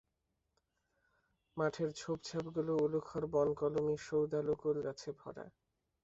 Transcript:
মাঠের ঝোপঝাপগুলো উলুখড়, বনকলমি, সৌদাল ও কুলগাছে ভরা।